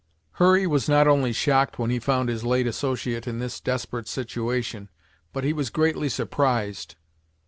Hurry was not only shocked when he found his late associate in this desperate situation, but he was greatly surprised.